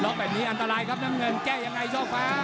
แบบนี้อันตรายครับน้ำเงินแก้ยังไงช่อฟ้า